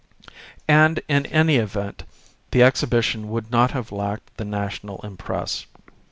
And in any event the exhibition would not have lacked the national impress.